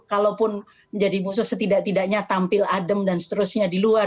kalaupun menjadi musuh setidak tidaknya tampil adem dan seterusnya di luar